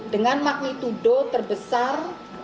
dengan maknitudo terbesar enam tiga